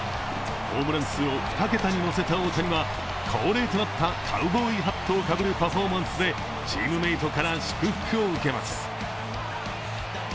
ホームラン数を２桁に乗せた大谷は恒例となったカウボーイハットをかぶるパフォーマンスでチームメイトから祝福を受けます。